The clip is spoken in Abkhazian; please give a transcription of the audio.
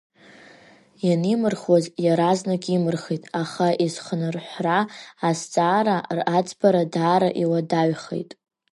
Ианимырхуаз иаразнак имырхит, аха изхнырҳәра азҵаара аӡбара даара иуадаҩхеит.